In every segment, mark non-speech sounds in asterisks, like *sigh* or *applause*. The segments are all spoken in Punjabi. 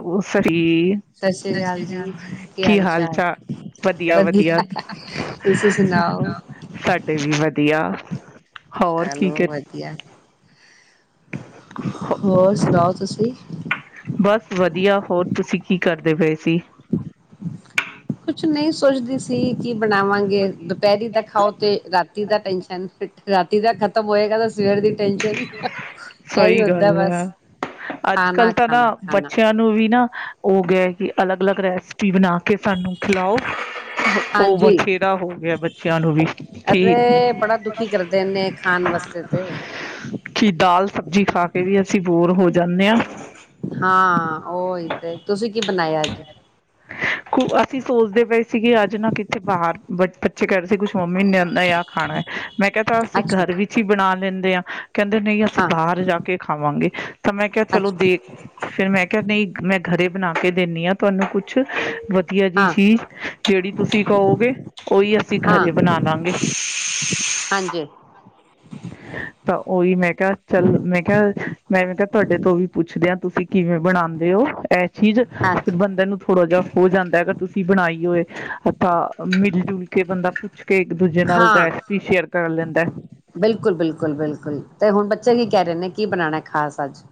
ਹੈਲੋ ਜੀ, ਸਤਿ ਸ੍ਰੀ ਆਕਾਲ ਜੀ, ਕੀ ਹਾਲ ਚਾਲ ਵਧੀਆ ਵਧੀਆ, ਤੁਸੀਂ ਸੁਣਾਓ? ਸਾਡੇ ਵੀ ਵਧੀਆ, ਹੋਰ ਕੀ ਚਲੋ ਵਧੀਆ, ਹੋਰ ਸੁਣਾਓ, ਤੁਸੀਂ। ਬਸ ਵਧੀਆ ਹੋਰ ਤੁਸੀਂ ਕੀ ਕਰਦੇ ਪਏ ਸੀ। ਕੁਛ ਨਹੀਂ ਸੋਚਦੀ ਸੀ ਕੀ ਬਣਾਵਾਂਗੇ। ਦੁਪਹਿਰੀ ਦਾ ਖਾਓ ਤੇ ਰਾਤ ਦੁਪਹਿਰ ਦਾ ਟੈਸ਼ਨ, ਰਾਤੀ ਦਾ ਖਤਮ ਹੋਏਗਾ ਤਾਂ ਸਵੇਰ ਦੀ ਟੈਨਸ਼ਨ ਇਹੀ ਸਹੀ ਗੱਲ ਹੁੰਦਾ ਬਸ, ਹੈ ਅੱਜ ਕੱਲ ਖਾਣਾ, ਤਾਂ ਨਾ ਖਾਣਾ, ਖਾਣਾ ਬੱਚਿਆਂ ਨੂੰ ਵੀ ਨਾ ਉਹ ਗਿਆ ਕਿ ਅਲੱਗ ਅਲੱਗ ਰੈਸਪੀ ਬਣਾ ਕੇ ਸਾਨੂੰ ਖਿਲਾਓ ਉਹ ਹਾਂਜੀ ਬਥੇਰਾ ਹੋ ਗਿਆ ਬੱਚਿਆਂ ਨੂੰ ਵੀ ਕਿ ਅਤੇ ਬੜਾ ਦੁਖੀ ਕਰਦੇ ਨੇ ਖਾਣ ਵਾਸਤੇ ਤੇ ਕਿ ਦਾਲ ਸਬਜ਼ੀ ਖਾ ਕੇ ਵੀ ਅਸੀਂ ਬੋਰ ਹੋ ਚਦੇ ਹ ਉਹ ਇਥ ਤੁਸੀਂ ਕੀ ਬਣਾਇਆ ਅੱਜ ਅਸੀ ਸੋਚਦੇ ਗਏ ਸੀਗੀ ਅੱਜ ਨਾ ਕਿੱਥੇ ਬਾਹਰ ਬਟ ਬੱਚੇ ਕਹਿਦੇ ਸੀ ਕੁਛ ਮੰਮੀ ਨੇਦਾ ਆਹ ਖਾਣਾ ਮੈਂ ਕਹਿ ਤ ਅਸੀਂ ਅੱਛਾ, ਘਰ ਵਿੱਚ ਹੀ ਬਣਾ ਲੈਂਦੇ ਹਾਂ ਕਹਿੰਦੇ ਨਹੀਂ ਅਸੀਂ ਹਾਂ, ਬਾਹਰ ਜਾ ਕੇਾ ਖਾਵਾਂਗੇ ਤਾਂ ਮੈਂ ਕਿਹਾ ਚਲੋ ਅੱਛਾ, ਦੇਖ ਫਿਰ ਮੈਂ *unintelligible* ਨਹੀਂ ਮੈਂ ਘਰੇ ਬਣਾ ਕੇ ਦਿੰਦੀ ਹਾਂ ਤੁਹਾਨੂੰ ਕੁਛ ਵਧੀਆ ਜਿਹੀ ਹਾਂ, ਚੀਜ਼ ਜਿਹੜੀ ਤੁਸੀਂ ਕਹੋਗੇ ਉਹੀ ਅਸੀਂ ਘਰੇ ਹਾਂ, ਬਣਾ ਲਵਾਂਗੇ ਹਾਂਜੀ, ਤਾਂ ਉਹੀ ਮੈਂ ਕਿਹਾ ਚੱਲ ਮੈਂ ਕਿਹਾ ਮੈਂ ਮੈਂ ਕਿਹਾ ਤੁਹਾਡੇ ਤੋਂ ਵੀ ਪੁੱਛਦੇਿਆਂ ਤੁਸੀਂ ਕਿਵੇਂ ਬਣਾਉਦੇ ਹੋ ਠੀਜ਼ ਹਾਂਜੀ। ਫ ਬੰਦੇ ਨੂੰ ਥੋੜਾ ਜਹਾ ਹੋ ਜਾਂਦਾ ਅਰ ਤੁਸੀਂ ਬਣਾਈ ਹੋਏਥ ਮਿਲ ਜੁਲ ਕੇ ਬੰਦਾ ਕੇ ਇੱਕ ਦੂਜੇ ਨਾਲ ਹਾਂ ਰੈਸਪੀ ਸ਼ੇਅਰ ਕਰ ਲੈਂਦਾ ਬਿਲਕੁਲ ਬਿਲਕੁਲ ਬਿਲਕੁਲ ਤੇ ਹੁਣ ਬੱਚਾ ਕੀ ਕਹਿ ਰਹੇ ਨੇ ਕੀ ਬਣਾਉਣਾ ਖਾਸ ਅੱਜ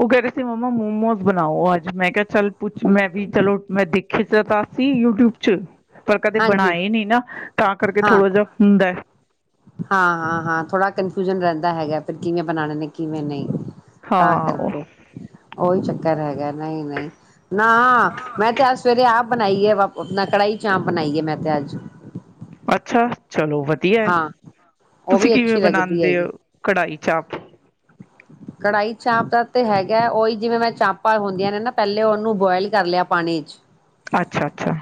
ਉਹ ਕਹਿ ਰਹੇ ਸੀ ਮਾਮਾ ਮੋਮੋਸ ਬਣਾਓ ਅੱਜ ਮੈਂ ਕਿਹਾ ਚੱਲ ਪੁੱਛ ਮੈਂ ਵੀ ਚਲੋ ਮੈਂ ਦੇਖਿਆ ਤਾਂ ਸੀ ਯੂਟਿਊਬ ਚ ਪਰ ਕਦੇ ਹਾਂਜੀ ਬਣਾਏ ਨੀ ਨਾ ਤਾਂ ਕਰਕੇ ਹਾਂ ਥੋੜਾ ਜਿਹਾ ਹੁੰਦਾ ਹਾਂ ਹਾਂ ਹਾਂ ਥੋੜ੍ਹਾ ਕੰਨਫਿਊਜਨ ਰਹਿੰਦਾ ਹੈਗਾ ਫ ਕਿਵੇਂ ਬਣਾਉਣੇ ਨੇ ਕਿਵੇਂ ਨਹੀਂ ਤਾਂ ਹਾਂ ਕਰਕੇ ਉਹੀ ਚੱਕ ਘਰ ਹੈਗਾ ਨਹੀਂ ਨਹੀਂ ਨਾ ਮੈਂ ਤੇ ਸਵੇਰੇ ਆਪ ਬਣਾਈਏ ਆਪਣਾ ਕੜਾਾਈ ਚਾਂਪ ਬਣਾਈਏ ਮੈਂ ਤੇ ਅੱਜ ਅੱਛਾ ਚਲੋ ਵਧੀਆ ਹਾਂ ਉਹ ਤੁਸੀਂ ਵੀ ਕਿਵੇਂ ਅੱਛੀ ਲੱਗਦੀ ਬਣਾਉਂਦੇ ਹੈਗੀ ਹੋ ਕੜਹੀ ਚਾ ਕੜਾਹੀ ਚਾਂਪ ਦਾ ਤੇ ਹੈਗਾ ਉਹੀ ਜਿਵੇਂ ਮੈਂ ਚਾਂਪਾਂ ਹੁੰਦੀਆਂ ਨੇ ਨਾ ਪਹਿਲੇ ਉਹਨੂੰ ਬੁਆਇਲ ਕਰ ਲਿਆ ਪਾਣੀ ਚ ਅੱਛਾ ਅੱਛਾ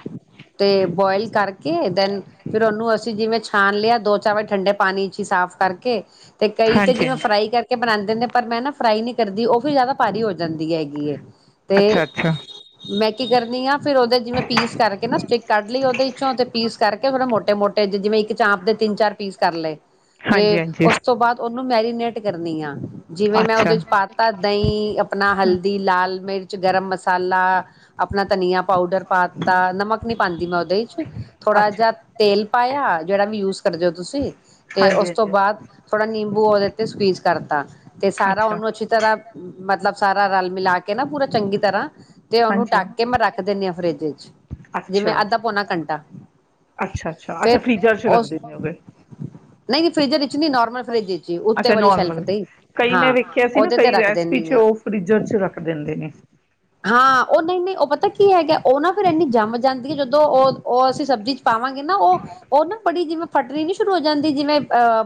ਤੇ ਬੋਆਇਲ ਕਰਕੇ ਕੇ ਦੈਨ ਫੇਿਰ ਉਹਨੂੰ ਅਸੀਂ ਜਿਵੇਂ ਛਾਾਨ ਲਿਆ ਦੋ ਚਾਰ ਵਜੇ ਠੰਡੇ ਪਾਣੀ ਚ ਹੀ ਸਾਫ਼ ਕਰਕੇ ਤੇ ਕਈ ਤੇ ਹਾਂਜੀ ਜਿਵੇਂ ਹਾਂਜੀ ਫਰਾਈ ਕਰਕੇ ਬਣਾਉਦੇ ਪਰ ਮੈਂ ਨਾ ਫਰਾਈ ਨਹੀਂ ਕਰਦੀ ਉਹ ਵੀ ਜ਼ਿਆਦਾ ਭਾਰੀ ਹੋਵੇ ਜਾਂਦੀ ਹੈਗੀ ਤੇ ਅੱਛਾ ਅੱਛਾ ਮੈਂ ਕੀ ਕਰਨੀ ਆ ਫਿਰ ਉਹਦੇ ਜਿਵੇਂ ਪੀਸ ਕਰਕੇ ਨਾ ਸਟਿਕ ਕੱਢ ਲਈ ਉਹਦੇ ਚੋਂ ਤੇ ਪੀਸ ਕਰਕੇ ਥੜ ਮੋਟੇ ਮੋਟੇ ਜਿਵੇਂ ਇੱਕ ਚਾਂਪ ਦੇ ਤਿੰਨ ਚਾਰ ਪੀਸ ਕਰ ਲਏ ਤੇ ਹਾਂਜੀ ਉਸ ਤੋਂ ਬਾਅਦ ਉਹ ਨੂੰ ਮੈਰੀਨੇਟ ਕਰਨੀ ਆ ਜਿਵੇਂ ਮੈਂ ਉਹਦੇ ਚ ਪਾਤਾ ਦਹੀਂ ਆਪਣਾ ਹਲਦੀ ਲਾਲ ਮਿਰਚ ਗਰਮ ਮਸਾਲਾ ਆਪਣਾ ਧਨੀਆਂ ਪਾਊਡਰ ਪਾਤਾ ਨਮਕ ਪਾਉਂਦੀ ਮੈਂ ਉਹਦੇ ਚ ਥੋੜਾ ਜਹਾ ਤੇਲ ਪਾਇਆ ਜਿਹੜਾ ਵੀ ਯੂਜ ਕਰਦੇਓ ਤੁਸੀਂ ਤੇ ਉਸ ਤੋਂ ਹਾਂਜੀ ਬਾਅਦ ਥੋੜਾ ਨਿੰਬੂ ਉਹਦੇ ਤੇ ਸਕੀਜ਼ ਕਰਤਾ ਤੇ ਸਾਰਾ ਅੱਛਾ ਹਮ ਅੱਛਾ ਹਾਂਜੀ ਹਾਂਜੀ ਅੱਛਾ ਉਹਨੂੰ ਅੱਛੀ ਤਰ੍ਹਾਂ ਮਤਲਬ ਸਾਰਾ ਰਲ ਮਿਲਾ ਕੇ ਨਾ ਪੂਰਾ ਚੰਗੀ ਤਰ੍ਹਾਂ ਤੇ ਉਹਨੂੰ ਹਾਂਜੀ ਟੱਕ ਕੇ ਮੈਂ ਰੱਖ ਦਿੰਨ ਆਾਂ ਫਰਿੱਜ ਵਿੱਚ ਅੱਛਾ ਜਿਵੇਂ ਅੱਧਾ ਪੌਣਾ ਘੰਟਾ ਅੱਛਾ ਅੱਛਾ ਅੱਛਾ ਫੇਰ ਫੀਜ਼ਰ ਚ ਰੱਖ ਉਸ ਦੇਣੇ ਹੋਗੇ ਨਹੀਂ ਫ੍ਰਿਜਰ ਨੋਰਮਲ ਫਰਿਜ ਵਿੱਚ ਹੀ ਉੱਤੇ ਅੱਛਾ ਵਾਲੀ ਸ਼ੈਲਫ ਨੋਰਮਲ ਤੇ ਕਈ ਹਾਂ ਮੈਂ ਵੇਖਿਆ ਸੀ ਨਾ ਉਹਦੇ ਤੇ ਕਈ ਰੱਖ ਰੈਸਪੀ ਦਿੰਦੀ ਚ ਆ ਉਹ ਫਰਿਜਰ ਚ ਰੱਖ ਦਿੰਦੇ ਨੇ। ਹਾਂ ਉਹ ਨਹੀਂ ਨਹੀਂ ਉਹ ਪਤਾ ਕੀ ਹੈਗਾ ਉਹ ਨਾ ਫਿਰ ਇੰਨੀ ਜੰਮ ਜਾਂਦੀ ਜਦੋਂ ਉਹ ਉਹ ਅਸੀਂ ਸਬਜ਼ੀ ਪਾਵਾਂਗੇ ਨਾ ਉਹ ਉਹ ਨਾ ਬੜੀ ਜਿਵੇਂ ਫਟਣੀ ਨਹੀਂ ਸ਼ੁਰੂ ਹੋ ਜਾਂਦੀ ਜਿਵੇਂ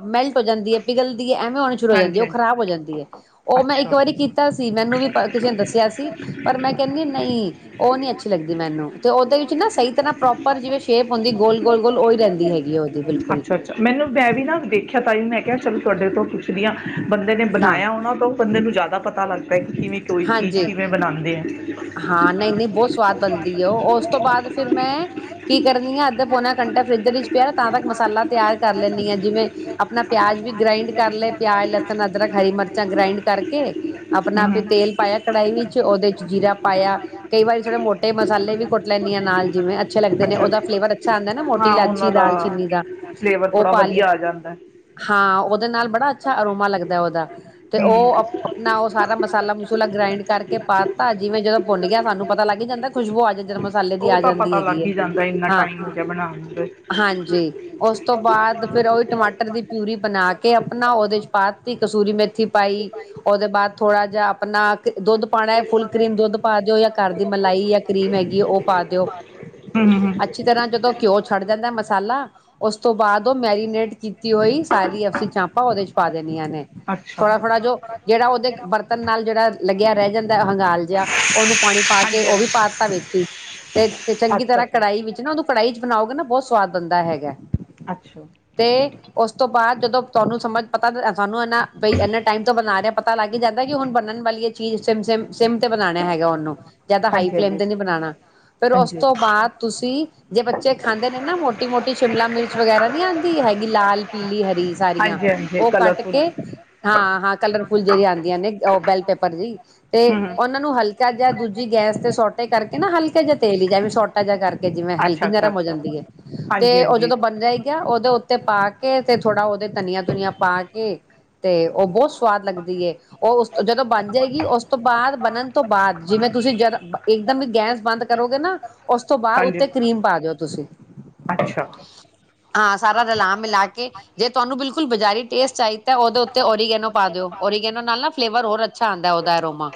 ਮੈਲਟ ਹੋ ਜਾਂਦੀ ਹੈ ਪਿਘਲਦੀ ਹੈ ਐਵੇਂ ਆਉਣੀ ਸ਼ੁਰੂ ਹੋ ਜਾਂਦੀ ਹਾਂਜੀ ਹੈ ਉਹ ਹਾਂਜੀ ਖ਼ਰਾਬ ਹੋ ਜਾਂਦੀ ਹੈ ਉਹ ਮੈਂ ਇੱਕ ਅੱਛਾ। ਵਾਰੀ ਕੀਤਾ ਸੀ ਮੈਨੂੰ ਵੀ ਕਿਸੇ ਨੇ ਦੱਸਿਆ ਸੀ ਪਰ ਮੈਂ ਕਹਿੰਦੀ ਹ ਨਹੀਂ ਉਹ ਨੀ ਅੱਛੀ ਲੱਗਦੀ ਮੈਨੂੰ ਤੇ ਉਹਦੇ ਸਹੀ ਤਰ੍ਹਾਂ ਪ੍ਰੋਪਰ ਜਿਵੇਂ ਸ਼ੇਪ ਹੁੰਦੀ ਗੋਲ ਗੋਲ ਗੋਲ ਉਹੀ ਰਹਿੰਦੀ ਹੈਗੀ ਉਹਦੀ ਬਿਲਕੁਲ ਅੱਛਾ ਅੱਛਾ ਮੈਨੂੰ ਮੈਂ ਵੀ ਨਾ ਦੇਖਿਆ ਤਾਈ ਮੈਂ ਕ ਕਿਹਾ ਚੱਲ ਤੁਹਾਡੇ ਤੋਂ ਪੁਛ ਦੀ ਬੰਦੇ ਨੇ ਹਾਂ ਬਣਾਇਆ ਉਹਨਾਂ ਤੋਂ ਉਹ ਬੰਦੇ ਨੂੰ ਜ਼ਿਆਦਾ ਪਤਾ ਲੱਗਦਾ ਪ ਕਿ ਕਿਵੇਂ ਕੋਈ ਚੀਜ਼ ਹਾਂਜੀ ਕਿਵੇਂ ਬਣਾਉਣੀ ਅਤੇ ਹਾਂ ਨਹੀਂ ਨਹੀਂ ਬਹੁਤ ਸਵਾਦ ਬਣਦੀ ਹੈ ਉਹ ਉਸ ਤੋਂ ਬਾਅਦ ਫਿਰ ਮੈਂ ਕੀ ਕਰਨੀ ਹ ਅੱਧ ਪੌਨਾ ਘੰਟਾ ਫਰਿੱਜ ਵਿੱਚ ਪਿਆ ਤਾਂ ਤੱਕ ਮਸਾਲਾ ਤਿਆਰ ਕਰ ਲੈਂਦੀ ਹਾਂ ਜਿਵੇਂ ਆਪਣਾ ਪਿਆਜ ਵੀ ਗ੍ਰਾਇੰਡ ਕਰ ਲਏ ਪਿਆਜ ਲਸਣ ਅਦਰਕ ਹਰੀ ਮਿਰਚਾਂ ਗ੍ਰਾਇੰਡ ਕਰਕੇ ਆਪਣਾ ਫਿਰ ਤੇਲ ਪਾਇਆ ਕੜਾਹੀ ਵਿੱਚ ਉਹਦੇ ਚ ਜੀਰਾ ਪਾਇਆ ਕਈ ਵਾਰੀ ਥੋੜੇ ਮੋਟੇ ਮਸਾਲੇ ਵੀ ਕੁੱਟ ਲੈਂਦੀ ਆ ਨਾਲ ਜਿਵੇਂ ਅੱਛੇ ਲੱਗਦੇ ਨੇ ਉਹਦਾ ਫਲੇਵਰ ਅੱਛਾ ਆਉਂਦਾ ਨਾ ਮੋਟੀ ਹਾਂ ਉਹਨਾਂ ਇਲਾਚੀ ਦਾ ਦਾਲਚੀਨੀ ਦਾ ਫਲੇਵਰ ਉਹ ਥੋੜਾ ਪਾ ਲਿਆ ਵਧੀਆ ਆ ਜਾਂਦਾ ਹੈ ਹਾਂ ਉਹਦੇ ਨਾਲ ਬੜਾ ਅੱਛਾ ਅਰੋਮਾ ਲੱਗਦਾ ਉਹਦਾ ਤੇ ਉਹ ਆਪਣਾ ਉਹ ਸਾਰਾ ਮਸਾਲਾ ਮਸੂਲਾ ਗ੍ਰਾਇੰਡ ਕਰਕੇ ਪਾਤਾਾ ਜਦੋਂ ਭੁੰੱਲ ਗਿਆ ਸਾਨੂੰ ਪਤਾ ਲੱਗ ਜਾਂ ਖੁਬੂ ਜ ਮਸਾਲੇ ਪਤਾ ਲੱਗ ਜਾਂਦਾ ਖੁਸ਼ਬੂ ਆਉਂਦੀ ਹੈ। ਦੀ ਉਹ ਆ ਤਾਂ ਜਾਂਦੀ ਪਤਾ ਹੈਗੀ ਲੱਗ ਹੈ ਹੀ ਜਾਂਦਾ ਇੰਨਾ ਹਾਂ ਟਾਈਮ ਬਣਾਉਣ ਨੂੰ ਤੇ। ਹਾਂਜੀ ਉਸ ਤੋਂ ਬਾਅਦ ਫੇਿਰ ਉਹੀ ਟਮਾਟਰ ਦੀ ਪਿਊਰੀ ਬਣਾ ਕੇ ਕੇ ਆਪਣਾ ਉਹਦੇ ਚ ਪਾਤੀ ਕਸੂਰੀ ਮੇਥੀ ਪਾਈ ਉਹਦੇ ਬਾਅਦ ਥੋੜਾ ਜਿਹਾ ਆਪਣਾ ਦੁੱਧ ਪਾਉਣਾ ਫੁਲ ਕਰੀਮ ਦੁੱਧ ਪਾ ਦਿਓ ਜਾਂ ਘਰ ਦੀ ਮਲਾਈ ਜਾਂ ਕਰੀਮ ਹੈਗੀ ਉਹ ਪਾ ਦਿਓ ਹੂੰ ਹੂੰ ਹੂੰ ਅੱਛੀ ਤਰ੍ਹਾਂ ਜਦੋਂ ਘਿਓ ਛੱਡ ਜਾਂਦਾ ਮਸਾਲਾ ਉਸ ਤੋਂ ਬਾਅਦ ਉਹ ਮੈਰੀਨੇਟ ਤੀ ਹੋਈ ਸਾਰੀ ਅਂ ਚਾਂਪਾਂ ਉਹਦੇ ਚ ਪਾ ਦੇਣੀਆਂ ਨੇ ਅੱਛਾ ਥੋੜਾ ਥੋੜਾ ਜੋ ਜਿਹੜਾ ਉਹਦੇ ਬਰਤਨ ਨਾਲ ਜਿਹੜਾ ਲੱਗਿਆ ਰਹਿ ਜਾਂਦਾ ਹੰਗਾਲ ਉਹਨੂੰ ਪਾਣੀ ਪਾ ਕੇ ਹਾਂਜੀ ਉਹ ਹਾਂਜੀ। ਵੀ ਪਾਾਰਤਾ ਵੇਚੀ ਤੇ ਚੰਗੀ ਤਰ੍ਹਾਂ ਕੜਾਹੀ ਵਿੱਚ ਨਾ ਉਹਨੂੰ ਕੜਾਹੀ ਚ ਬਣਾਓ ਬਹੁਤ ਸਵਾਦ ਬਣਦਾ ਹੈਗਾ ਤੇ ਉਸ ਨਾਲ ਤੇ ਉਸ ਤੋਂ ਬਾਅਦ ਜਦੋਂ ਤੁਹਾਨੂੰ ਸਮਝ ਪਤਾ ਤੁਹਾਨੂੰ ਇਹਨਾ ਬ ਇਹਨਾ ਟਾਈਮ ਤੋਂ ਬਣਾ ਰਿਹਾ ਪਤਾ ਲੱਗ ਹੀ ਜਾਂਦਾ ਕਿ ਹੁਣ ਬਣਨ ਵਾਲੀ ਇਹ ਚੀਜ਼ ਸਿਮ ਸੇਮ ਸਮ ਤੇ ਬਣਾਣਾਿਆ ਹੈਗਾ ਉਹਨੂੰ ਜਿਆਦਾ ਹਾਈ ਫਲੇਮ ਤੇ ਨੀ ਬਣਾਉਣਾ ਫੇਿਰ ਉਸ ਹਾਂਜੀ ਤੋਂ ਬਾਅਦ ਤੁਸੀਂ ਜੇ ਬੱਚੇ ਖਾਂਦੇ ਨੇ ਨਾ ਮੋਟੀ ਮੋਟੀ ਸ਼ਿਮਲਾ ਮਿਰਚ ਵਗੈਰਾ ਨੀ ਆਉਂਦੀ ਹੈਗੀ ਲਾਲ ਪੀਲੀ ਹਰੀ ਸਾਰੀਆਂ ਉਹ ਕੱਟ ਕੇ ਹਾਂ ਹਾਂ ਕਲਰਫੁਲ ਜਿਹੜੀ ਆਉਂਦੀ ਨੇ ਉਹ ਬੈਲ ਪੇਪਰ ਜੀ ਹਮ ਹਮ ਉਹ ਨੂੰ ਹਲਕਾ ਜਿਹਾ ਦੂਜੀ ਗੈਸ ਤੇ ਛੋਟੇ ਕਰਕੇ ਨਾ ਹਲਕਾ ਜਿਹਾ ਤੇਲ ਹੀ ਜਾਵੇ ਛੋਟਾ ਜਿਹਾ ਕਰਕੇ ਜਿਵੇਂ ਹਲਕੀ ਨਰਮ ਹੋ ਜਾਂਦੀ ਹੈ ਹਾਂਜੀ ਤੇ ਉਹ ਜਦੋਂ ਬਣ ਜਾਏਗਾ ਉਹਦੇ ਉੱ ਤੇ ਪਾ ਕੇ ਤੇ ਥੋੜਾ ਉਹਦੇ ਧਨੀਆ ਧੁਨੀਆ ਪਾ ਕੇ ਤੇ ਉਹ ਬਹੁਤ ਸਵਾਦ ਲੱਗਦੀ ਏ ਉਹ ਉਸ ਜਦੋਂ ਬਣ ਜਾਏਗੀ ਉਸ ਤੋਂ ਬਾਅਦ ਬਣਨ ਤੋਂ ਬਾਅਦ ਜਿਵੇਂ ਤੁਸੀਂ ਜਦ ਇੱਕਦਮ ਗੈਸ ਬੰਦ ਕਰੋਗੇ ਨਾ ਉਸ ਤੋਂ ਬਾਅਦ ਉੱਤੇ ਕਰੀਮ ਪਾ ਦਿਓ ਤੁਸੀਂ ਅੱਛਾ ਹਾਂ ਸਾਰਾ ਰਲਾ ਮਿਲਾ ਕੇ ਜੇ ਤੁਹਾਨੂੰ ਬਿਲਕੁਲ ਬਜ਼ਾਰੀ ਟੇਸਟ ਚਾਹੀਦਾ ਤਾਂ ਉਹਦੇ ਉੱਤੇ ਓਰੀਗੈਨੋ ਪਾ ਦਿਓ ਓਰੀਗੈਨੋ ਨਾਲ ਨਾ ਫਲੇਵਰ ਹੋਰ ਅੱਛਾ ਆਉਦਾ ਉਹਦਾ ਐ ਰੋਮਾ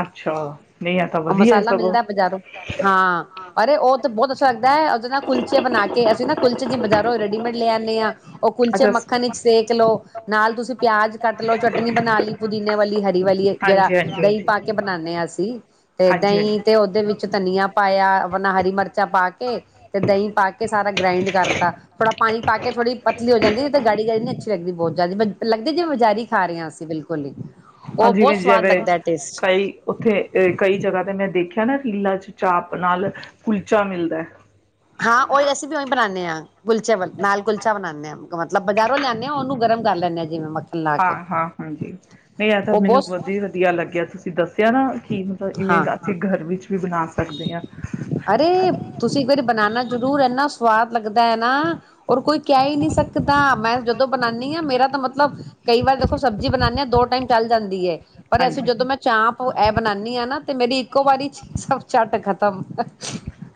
ਅੱਛਾ ਨਹੀਂ ਆ ਤਾਂ ਵਧੀਆ ਮਸਾਲਾ ਸਗੋਂ ਮਿਲਦਾ ਬਜ਼ਾਰੋਂ ਹਾਂ ਅਰੇ ਉਹ ਤਾਂ ਬਹੁਤ ਅੱਛਾ ਲੱਗਦਾ ਹੈ ਉਹਦੇ ਨਾ ਕੁਲਚੇ ਬਣਾ ਕੇ ਅਸੀਂ ਨਾ ਕੁਲਚੇ ਜੀਂਜਾਰੋ ਰੈਡੀਮੇਡ ਲੈ ਆਦੇ ਹਾਂ ਉਹ ਕੁਲਚੇ ਮੱਖਣ ਵਿੱਚ ਸੇਕ ਲਓ ਨਾਲ ਤੁਸੀਂ ਪਿਆਜ ਕੱਟ ਲਓ ਚਟਨੀ ਬਣਾ ਲਈ ਪੁਦੀਨੇ ਵਾਲੀ ਹਰੀ ਵਾਲੀ ਜਿਹੜਾ ਦਹੀਂ ਪਾ ਕੇ ਬਣਾਦੇ ਹਾਂ ਅਸੀਂ ਤੇ ਹਾਂਜੀ, ਦਹੀਂ ਤੇ ਉਹਦੇ ਵਿੱਚ ਧਨੀਆ ਪਾਇਆ ਆਪਣਾ ਹਰੀ ਮਿਰਚਾਂ ਪਾ ਕੇ ਤੇ ਦਹੀਂ ਪਾ ਕੇ ਸਾਰਾ ਗ੍ਰਾਇੰਡ ਕਰਤਾ ਥੋੜਾ ਪਾ ਕੇ ਥੋੜੀ ਪਤਲੀ ਹੋ ਜਾਂਦੀ ਤੇ ਗਾੜੀ ਗਾੜੀ ਨੀ ਅੱਛੀ ਲੱਗਦੀ ਬਹੁਤ ਜ਼ਿਆਦਾ ਏਦਾਂ ਲੱਗਦੇ ਜਿਵੇਂ ਬਜ਼ਾਰੀ ਖਾ ਰਹੇ ਹਾਂ ਅਸੀਂ ਬਿਲਕੁਲ ਹੀ। ਉਹ ਬਹੁਤ ਜਿਵੇਂ ਸਵਾਦ ਜਿਵੇਂ ਲੱਗਦਾ ਟੇਸਟ ਕਈ, ਉੱਥੇ ਕਈ ਜਗ੍ਹਾ ਤੇ ਮੈਂ ਦੇਖੀ ਹੈ ਨਾ, ਤੀਲਾ ਚ ਚਾਪ ਨਾਲ ਕੁਲਚਾ ਮਿਲਦਾ ਹੈ। ਹਾਂ ਉਹੀ ਅਸੀਂ ਵੀ ਉਹੀ ਬਣਾਉਦੇ ਹਾਂ, ਨਾਲ ਕੁਲਚਾ ਬਣਾਉਂਦੇ ਹਾਂ। ਮਤਲਬ ਬਜ਼ਾਰੋਂ ਲਿਆਂਦੇ ਹਾਂ, ਉਹਨੂੰ ਗਰਮ ਕਰ ਲੈਂਦੇ ਹੈ ਜਿਵੇਂ ਮ ਹਾਂ ਹਾਂ ਹਾਂਜੀ। ਨਹੀਂ ਇਹ ਤਾਂ ਉਹ ਮੈਨੂੰ ਬਹੁਤ ਵਧੀਆ ਲੱਗਿਆ ਤੁ *unintelligible* *unintelligible* ਇਵੇਂ ਹਾਂ ਘਰ ਵਿੱਚ ਵੀ ਬਣਾ ਸਕਦੇ ਹਾਂ। ਅਰੇ, ਤੁਸੀਂ ਇੱਕ ਵਾਰੀ ਬਨਾਨਾ ਜ਼ਰੂਰ ਇੰਨਾ ਸਵਾਦ ਲੱਗਦਾ ਐ ਨਾ, ਔਰ ਕੋਈ ਕਹਿ ਈ ਨਹੀਂ ਸਕਦਾ ਮੈਂ ਜਦੋਂ ਬਨਾਨੀ ਆ ਮੇਰਾ ਤਾਂ ਮ ਮਤਲਬ ਕਈ ਵਾਰ ਦੇਖੋ ਸਬਜ਼ੀ ਬਣਾਉਂਦੇ ਆਂ ਦੋ ਟਾਈਮ ਚੱਲ ਜਾਂਦੀ ਏ। ਪਰ ਹਾਂਜੀ ਵੈਸੇ ਜਦੋਂ ਹਾਂਜੀ। ਮੈਂ ਚਾਂਪ ਇਹ ਬਣਾਉਦੀ ਹਾਂ ਨਾ ਤੇ ਮੇਰੀ ਇੱਕੋ ਵਾਰੀ ਚ ਝੱਟ ਖਤਮ।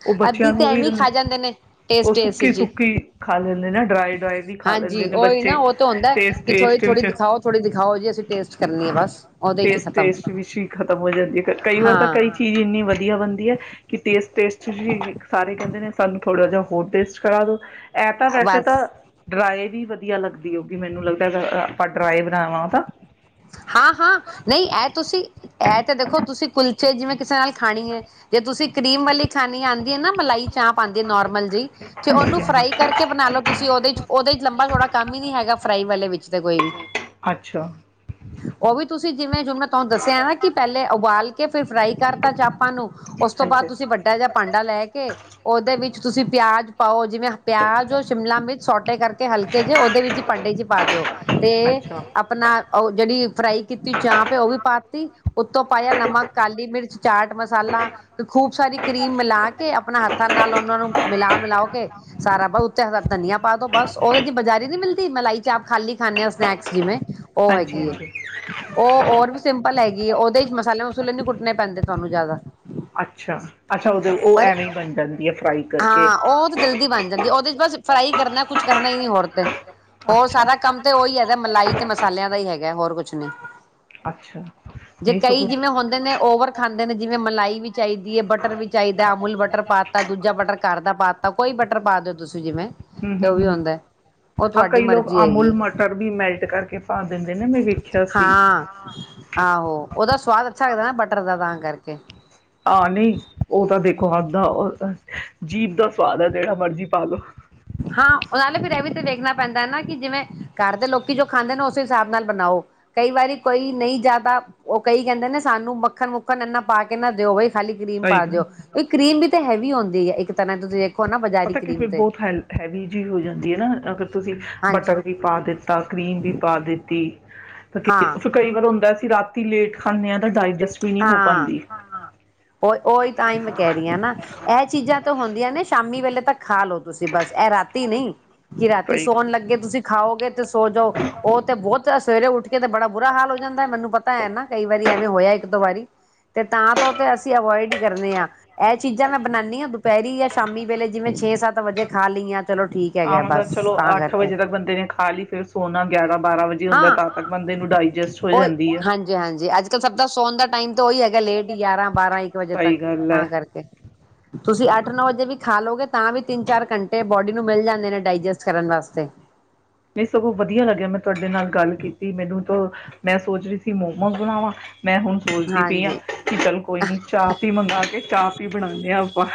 ਉਹ ਅੱਧੀ ਬੱਚਿਆਂ ਤੇ ਨੂੰ ਵੀ ਐਵੇਂ ਖਾ ਜਾਂਦੇ ਨੇ ਟੇਸਟ ਉਹ ਟੇਸਟ ਸੁੱਕੀ- ਜੀ ਸੁੱਕੀ ਖਾ ਲੈਂਦੇ ਨੇ, ਡਰਾਈ- ਡਰਾਏ ਵੀ ਖਾ ਲੈਂਦੇ ਹਾਂਜੀ ਨੇ, ਉਹੀ ਬੱਚੇ ਨਾ ਉਹ ਤਾਂ ਹੁੰਦਾ ਟੇਸਟ- ਕਿ ਥੋੜ੍ਹੀ ਟੇਸਟ ਥੋੜ੍ਹੀ ਵਿੱਚ, ਦਿਖਾਓ ਥੋੜ੍ਹੀ ਦਿਖਾਓ ਜੀ ਅਸੀਂ ਟੇਸਟ ਕਰਨੀ ਹੈ ਬਸ ਉਹਦੇ ਚ ਟੇਸਟ- ਖ਼ਤਮ ਟੇਸਟ ਵਿੱਚ ਹੀ ਖਤਮ ਹੋ ਜਾਂਦੀ ਹੈ, ਕਈ ਵਾਰੀ ਤਾਂ ਹਾਂ ਕਈ ਚੀਜ਼ ਇਨੀਂ ਵਧੀਆ ਬਣਦੀ ਹੈ ਕਿ ਟੇਸਟ- ਟੇਸਟ ਚ ਵੀ ਸਾਰੇ ਕਹਿੰਦੇ ਨੇ, ਸਾਨੂੰ ਥੋੜਾ ਜਿਹਾ ਹੋਰ ਟੇਸਟ ਕਰਾ ਦੋ ਇਹ ਤਾਂ ਵੈਸੇ ਤਾਂ ਬਸ ਡਰਾਏ ਵੀ ਵਧੀ ਵਧੀਆ ਲੱਗਦੀ ਹੋਏਗੀ, ਮੈਨੂੰ ਲੱਗਦਾ ਆਪਾਂ ਡਰਾਏ ਬਣਾਵਾਂ ਤਾਂ ਹਾਂ-ਹਾਂ ਨਹੀਂ, ਇਹ ਤੁਸੀਂ ਇਹ ਤੇ ਦੇਖੋ ਤੁਸੀਂ ਕੁਲ ਚੇ ਜਿਵੇਂ ਕਿਸੇ ਨਾਲ ਖਾਣੀ ਹੈ, ਜੇ ਤੁਸੀਂ ਕਰੀਮ ਵਾਲੀ ਖਾਣੀ ਹਾਂਜੀ ਆਉਂਦੀ ਹੈ ਨਾ, ਮਲਾਈ ਚਾਂਪ ਆਉੰਦੀ ਹੈ ਨੋਰਮਲ ਜੀ, ਤੇ ਉਹਨੂੰ ਹਾਂਜੀ ਫਰਾਈ ਕਰਕੇ ਬਣਾ ਲੋ ਤੁਸੀਂ ਉਹਦੇ ਵਿਚ ਲੰਬਾ ਚੌੜਾ ਕੰਮ ਹੀ ਨਹੀਂ ਹੈਗਾ ਫਰਾਈ ਵਾਲੇ ਵਿੱਚ ਤੇ ਕੋਈ ਵੀ ਅੱਛਾ ਉਹ ਵੀ ਤੁਸੀਂ ਜਿਵੇਂ ਹਿੰਮਤ ਤੁਹਾਨੂੰ ਦੱਸਿਆ ਨਾ ਕਿ ਪਹਿਲੇ ਉਬਾਲ ਕੇ ਫਿਰ ਫਰਾਈ ਕਰਤਾ ਚਾਪਾਂ ਨੂੰ ਉਸ ਤੋਂ ਬਾਅਦ ਹਾਂਜੀ ਤੁਸੀਂ ਵੱਡਾ ਜਿਹਾ ਭਾਂਡਾ ਲੈ ਕੇ ਉਹਦੇ ਵਿੱਚ ਤੁਸੀਂ ਪਿਆਜ ਪਾਓ ਜਿਵੇਂ ਪਿਆਜ ਸ਼ਿਮਲਾ ਮਿਰਚ ਸੋਟੇ ਕਰਕੇ ਹਲਕੇ ਜਿਹੇ ਉਹਦੇ ਵਿੱਚ ਹੀ ਪਾਡੇ ਜ ਦਿਓ ਤੇ ਅੱਛਾ ਆਪਣਾ ਉਹ ਜਿਹੜੀ ਫਰਾਈ ਕੀਤੀ ਚਾਂ ਪ ਉਹ ਵੀ ਪਾਤੀ ਉੱਤੋਂ ਪਾਇਆ ਨਮਕ ਕਾਲੀ ਮਿਰਚ ਚਾਟ ਮਸਾਲਾ ਤੇ ਖੂਬ ਸਾਰੀ ਕਰੀਮ ਮਿਲਾ ਕੇ ਆਪਣਾ ਹੱਥਾਂ ਨਾਲ ਉਹਨਾਂ ਨੂੰ ਮਿਲਾ ਮਿਲਾ ਕੇ ਸਾਰਾ ਬ ਉੱਥੇ ਧਨੀਆ ਪਾ ਦੋ ਬਸ ਉਹਦੇ ਚ ਬਜ਼ਾਰੀ ਨੀ ਮਿਲਦੀ ਮਲਾਈ ਚ ਆਪ ਖਾਲੀ ਖਾਂਦੇ ਹ ਸਨੈਕਸ ਜਿਵੇਂ ਉਹ ਹਾਂਜੀ ਹੈਗੀ ਹੈ ਹਾਂਜੀ ਉਹ ਹੋਰ ਵੀ ਸਿੰਪਲ ਹੈਗੀ ਕਿ ਉਹਦੇ ਚ ਮਸਾਲੇ ਮਸੂਲੇ ਨੀ ਕੁੱਟਣੇ ਪੈਂਦੇ ਤੁਹਾਨੂੰ ਜ਼ਿਆਦਾ ਅੱਛਾ ਅੱਛਾ ਉਹ ਉਹ ਪਰ ਐਵੇਂ ਬਣ ਜਾਂਦੀ ਹੈ ਫਰਾਈ ਕਰਕੇ ਹਾਂ ਉਹ ਤਾਂ ਜਲਦੀ ਬਣ ਜਾਂਦੀ ਉਹਦੇ ਚ ਬਸ ਫਰਾਈ ਕਰਨਾ ਕੁਛ ਕਰਨਾ ਹੀ ਨਹੀਂੀ ਹੋਰ ਤੇ ਹੋਰ ਅੱਛਾ ਸਾਰਾ ਕੰਮ ਤੇ ਉਹੀ ਹੈ ਮਲਾਈ ਤੇ ਮ ਸਾਲਿਆਂ ਦਾ ਹੀ ਹੈਗਾ ਹੋਰ ਕੁਛ ਨੀ ਅੱਛਾ ਜੇ ਨਹੀਂ ਕਈ ਸਗੋਂ ਜਿਵੇਂ ਹੁੰਦੇ ਨੇ ਓਵਰ ਖਾਂਦੇ ਨੇ ਜਿਵੇਂ ਮਲਾਈ ਵੀ ਚਾਹੀਦੀ ਹੈ ਬਟਰ ਵੀ ਚਾਹੀਦਾ ਅਮੁਲ ਬਟਰ ਪਾਤਾਾ ਦੂਜਾ ਬਟਰ ਘਰ ਦਾ ਪਾਤਾ ਕੋਈ ਬਟਰ ਪਾ ਦਿਓ ਤੁਸੀਂ ਜਿਵੇਂ ਹਮ ਹਮ ਤੇ ਉਹ ਵੀ ਹਮ ਹਮ ਹੁੰਦਾ ਉਹ ਹਾਂ ਤੁਹਾਡੀ ਕਈ ਲੋਕ ਮਰਜ਼ੀ ਅਮੁਲ ਹੈਗੀ ਮਟਰ ਵੀ ਮੈਲਟ ਕਰਕੇ ਫ ਦਿੰਦੇ ਨੇ ਮੈਂ ਵੇਖਿਆ ਸੀ ਹਾਂ ਆਹੋ ਉਹਦਾ ਸਵਾਦ ਅੱਛਾ ਲੱਗਦਾ ਨਾ ਬਟਰ ਦਾ ਤਾਂ ਕਰਕੇ ਖਆਦ ਦਾ ਜੀਭ ਦਾ ਸਵਾਦ ਹੈ ਜਿਹੜਾ ਮਰਜੀੀ ਪਾਾਲੋ ਹਾਂ ਉਹੇ ਫਿਰ ਇਹ ਵੀ ਤਾਂ ਵੇਖਣਾ ਪੈਂਦਾ ਹੈ ਨਾ ਕਿ ਜਿਵੇਂ ਘਰ ਦੇ ਲੋਕੀ ਜੋ ਖਾਂਦੇ ਨੇ ਉਸੇ ਹਿਸਾਬ ਨਾਲ ਬਣਾਓ ਕਈ ਵਾਰੀ ਕੋਈ ਨਹੀਂ ਜ਼ਿਆਦਾ ਉਹ ਕਈ ਕਹਿੰਦੇ ਨੇ ਸਾਨੂੰ ਮੱਖਣ ਮੁੱਖਣ ਇੰਨਾ ਪਾ ਕੇ ਨਾ ਦਿਓ ਬਈ ਖਾਲੀ ਕਰੀਮ ਸਹੀ ਪਾ ਗੱਲ ਦਿਓ ਆ। ਇਹ ਕਰੀਮ ਵੀ ਹੈਵੀ ਆਉਂਦੀ ਹੈ ਇੱਕ ਨਾ ਤੁਸੀਂ ਦੇਖੋ ਨਾ ਬਜ਼ਾਰੀ ਪਤਾ ਕਿ ਕਰੀਮ ਫਿਰ ਤੇ ਬਹੁਤ ਹੈ ਹੈਵੀ ਹੋ ਜਾਂਦੀ ਹੈ ਨਾ ਅਗਰ ਤੁਸੀਂ ਹਾਂਜੀ ਬਟਰ ਵੀ ਪਾ ਦਿੱਤਾ ਕਰੀਮ ਵੀ ਪਾ ਦਿੱਤੀ ਤਾਂ ਹਾਂ ਫਿਰ ਕਈ ਵਾਰ ਹੁੰਦਾ ਸੀ ਰਾਤ ਲੇਟ ਖਾਂਦੇਾਂ ਦਾ ਡਾਇ ਹਾਂ ਉਹ ਉਹੀ ਤਾਂ ਹੀ ਮੈਂ ਕਹਿ ਰਹੀ ਹਾਂ ਨਾ ਇਹ ਚੀਜ਼ਾਂ ਹੁੰਦੀਆਂ ਨੇ ਸ਼ਾਮੀ ਵੇਲੇ ਤਾਂ ਖਾ ਲੋ ਤੁਸੀਂ ਬਸ ਇਹ ਰਾਤੀ ਨਹੀਂ ਕਿ ਰਾਤੀ ਸਹੀ ਸੌਣ ਲੱਗੇ ਤੁਸੀਂ ਖਾਓਗੇ ਸੋ ਜਾਓ ਉਹ ਤੇ ਬਹੁਤ ਸਵੇਰੇ ਉੱਠ ਕੇ ਤੇ ਬੜਾ ਬੁਰਾ ਹਾਲ ਹੋ ਜਾਂਦਾ ਮੈਨੂੰ ਪਤਾ ਹੈ ਨਾ ਕਈ ਵਾਰੀ ਐਵੇਂ ਹੋਇਆ ਹੀ ਇੱਕ ਦ ਵਾਰੀ ਤੇ ਤਾਂ ਤਾਂ ਤੇ ਅਸੀਂ ਅਵੋਇਡ ਹੀ ਕਰਨੇ ਹਾਂ ਇਹ ਚੀਜ਼ਾਂ ਮੈਂ ਬਣਾਉਦੀ ਹਾਂ ਦੁਪਹਿਰੀ ਜਾਂ ਸ਼ਾਮੀ ਵੇਲੇ ਜਿਵੇਂ ਛੇ ਸੱਤ ਵਜੇ ਖਾਲ ਲਈ ਆ ਹਾਂ ਮਤਲਬ ਚਲੋ ਅੱਠ ਵਜੇ ਤੱਕ ਬੰਦੇ ਨੇ ਖਾ ਲਈ ਫੇਿਰ ਸੋਨਾ ਗਿਆਰਾਂ ਬਾਰਾਂ ਵਜੇ ਹੁੰਦਾ ਹਾਂ ਤਦ ਤੱਕ ਬੰਦੇ ਨੂੰ ਡਾਇਜੈਸਟ ਹੋ ਉਹ ਜਾਂਦੀ ਹੈ। ਹਾਂਜੀ ਹਾਂਜੀ ਅੱਜ ਕੱਲ ਸਭ ਦਾ ਸੌਣ ਦਾ ਟਾਈਮ ਉ ਹੀ ਹੈਗਾ ਲੇਟ ਗਿਆਰਾਂ ਬਾਰਾਂ ਇੱਕ ਵਜੇ ਤੱਕ ਸਹੀ ਗੱਲ ਹੈ। ਤਾਂ ਕਰਕੇ ਤੁਸੀਂ ਅੱਠ ਨੌ ਵਜੇ ਵੀ ਖਾ ਲਓਗੇ ਤਾਂ ਵੀ ਤਿੰਨ ਚਾਰ ਘੰਟੇ ਬੋਡੀ ਨੂੰ ਮਿਲ ਜਾਂਦੇ ਨੇ ਡਾਇਜੈਸਟ ਕਰਨ ਵਾਸਤੇ ਨਹੀਂ ਸਗੋਂ ਵਧੀਆ ਲੱਗਿਆ ਮੈਨੂੰ ਤੁਹਾਡੇ ਨਾਲ ਗੱਲ ਕੀਤੀ ਮੈਨੂੰ ਮੈਂ ਸੋਚ ਰਹੀ ਸੀ ਮੋਮੋਸ ਬਣਾਵਾਂ ਮੈਂ ਹੁਣ ਸੋਚਦੀ ਪਈ ਆ ਹਾਂਜੀ ਕਿ ਚੱਲ ਕੋਈ ਨਹੀਂ ਚਾਹ ਪੀ ਮੰਗਾ ਕੇ ਚਾਹ ਪੀ ਬਣਾਉਂਦੇ ਆ ਆਪਾਂ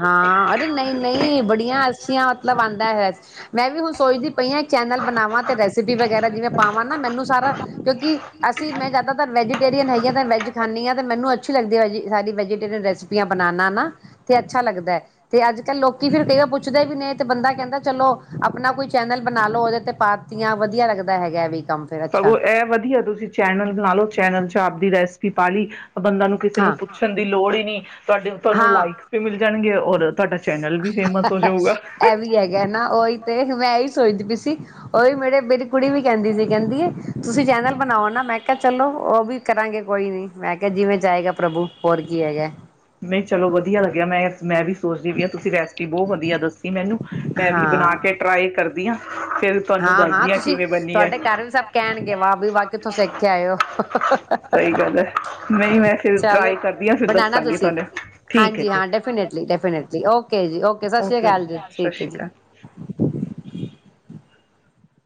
ਹਾਂ ਅਰੇ ਨਹੀਂ ਨਹੀਂ ਬੜੀਆਂ ਅੱਛੀਆਂ ਮਤਲਬ ਆਉਂਦਾ ਹੈਆ ਮੈਂ ਵੀ ਹੁਣ ਸੋਚਦੀ ਪਈਆਂ ਚੈਨਲ ਬਣਾਵਾਂ ਤੇ ਰੈਸਿਪੀ ਵਗੈਰਾ ਜਿਵੇਂ ਪਾਵਾਂ ਨਾ ਮੈਨੂੰ ਸਾਰਾ ਕਿਉਂਕਿ ਅਸੀਂ ਮੈਂ ਜ਼ਿਆਦਾਤਰ ਵੈਜੀ ਹੈਗੀਆਂ ਵੈੱਜ ਖਾਂਦੀ ਆ ਤੇ ਮੈਨੂੰ ਅੱਛੀ ਲੱਦੀ ਹੈ ਵ ਸਾਰੀ ਵੈਜੀਟੇਰੀਅਨ ਰੈਸਿਪੀਆਂ ਬਣਾਉਣਾ ਨਾ ਤੇ ਅੱਛਾ ਲੱਗਦਾ ਹੈ ਤੇ ਅੱਜ ਕੱਲ ਲੋਕੀ ਫਿਰ ਕਈ ਵਾਰ ਪੁੱਛਦੇ ਵੀ ਨੇ ਤੇ ਬੰਦਾ ਕਹਿੰਦਾ ਚਲੋ ਆਪਣਾ ਕੋਈ ਚੈਨਲ ਬਣਾ ਲੋ ਉਹਦੇ ਤੇ ਪਾਤੀਆਂ ਵਧੀਆ ਲੱਗਦਾ ਹੈਗਾ ਵੀ ਕੰਮ ਫਿਰ ਅੱਛਾ ਸਗੋਂ ਇਹ ਦੀ ਰੈਸਪੀ ਪਾ ਲਈ ਬੰਦਾ ਨੂੰ ਕਿਸੇ ਨੂੰ ਹਾਂ ਪੁੱਛਣ ਦੀ ਲੋੜ ਹੀ ਨਹੀਂੀ ਤੁਹਾਡੇ ਤੁਹਾਨੂੰ ਹਾਂ ਲਾਈਕਸ ਵੀ ਮਿਲ ਜਾਣਗੇ ਔਰ ਤੁਹਾਡਾ ਚੈਨਲ ਵੀ ਫੇਮਸ ਹੋ ਜਾਊਗਾ ਸੋਚ ਪਈ ਸੀ ਉਹ ਵੀ ਮੇਰੇ ਮੇਰੀ ਕੁੜੀ ਵੀ ਕਹਿੰਦੀ ਸੀ ਕਹਿੰਦੀ ਤੁਸੀਂ ਚੈਨਲ ਬਣਾਓ ਨਾ ਮੈਂ ਕਿਹਾ ਚਲੋ ਉਹ ਵੀ ਕਰਾਂਗੇ ਕੋਈ ਨੀ ਮੈਂ ਕਿਹਾ ਜਿਵੇਂ ਜਾਏਗਾ ਪ੍ਰਭੂ ਹੋਰ ਕੀ ਹੈਗਾ ਨਹੀਂ ਚਲੋ ਵਧੀਆ ਲੱਗਿਆ ਮੈਂ ਮੈਂ ਵੀ ਸੋਚਦੀ ਵੀ ਹਾਂ ਤੁਸੀਂ ਰੈਸਪੀ ਬਹੁਤ ਵਧੀਆ ਦੱਸੋ ਮੈਨੂੰ ਮੈਂ ਵੀ ਬਣਾ ਹਾਂ ਕੇ ਟਰਾਈ ਕਰ ਵੀ ਹਾਂ ਫਿਰ ਤੁਹਾਨੂੰ ਹਾਂ ਹਾਂ ਦੱਸਦੀ ਤੁਸੀਂ ਕਿਵੇਂ ਬਣੀ ਹੈ ਤੁਹਾਡੇ ਘਰ ਵੀ ਸਭ ਕਹਿਣਗੇ ਵਾਹ ਵੀ ਵਾਹ ਕਿੱਥੋਂ ਸਿੱਖ ਆਇਓ ਸਹੀ ਗੱਲ ਹੈ ਨਹੀਂ ਮੈਂ ਫਿਰ ਚਲੋ ਟਰਾਈ ਕਰਦੀ ਹਾਂ ਫਿਰ ਬਣਾਣਾ ਦੱਸਾਂਗੀ ਤੁਸੀਂ ਤੁਹਾਨੂੰ ਠੀਕ ਹੈ ਹਾਂਜੀ ਹਾਂ ਠੀਕ ਡੈਫੀਨੇਟਲੀ ਡੈਫੀਨੇਟਲੀ ਜ ਓ ਜੀ ਓਕੇ ਸਤਿ ਸ੍ਰੀ ਅਕਾਲ ਜੀ ਸਤਿ ਠੀਕ ਹੈ ਸ਼੍ਰੀ ਅਕਾਲ ਜੀ